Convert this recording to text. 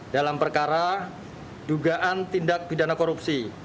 dalam perkara dugaan tindak pidana korupsi